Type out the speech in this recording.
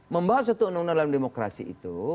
membahas satu undang undang dalam demokrasi itu